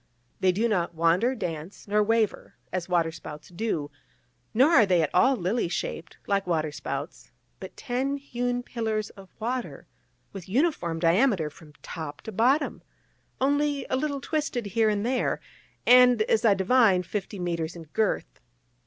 They do not wander, dance, nor waver, as waterspouts do; nor are they at all lily shaped, like waterspouts: but ten hewn pillars of water, with uniform diameter from top to bottom, only a little twisted here and there, and, as I divine, fifty mètres in girth.